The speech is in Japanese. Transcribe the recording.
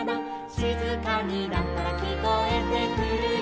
「しずかになったらきこえてくるよ」